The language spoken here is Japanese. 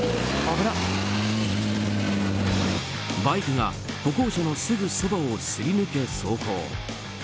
バイクが歩行者のすぐそばをすり抜け走行。